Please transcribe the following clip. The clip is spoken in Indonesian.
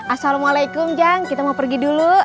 assalamualaikum jang kita mau pergi dulu